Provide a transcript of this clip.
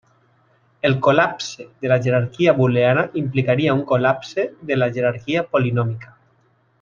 El col·lapse de la jerarquia booleana implicaria un col·lapse de la jerarquia polinòmica.